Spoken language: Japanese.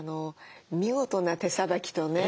見事な手さばきとね